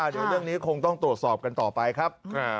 เดี๋ยวเรื่องนี้คงต้องตรวจสอบกันต่อไปครับ